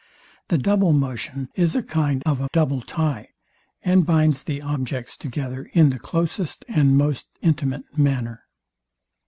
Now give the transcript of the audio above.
The double motion is a kind of a double tie, and binds the objects together in the closest and most intimate manner.